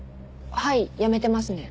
はい辞めてますね。